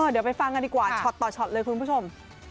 เดี๋ยวไปฟังกันดีกว่าช็อตต่อช็อตเลยคุณผู้ชม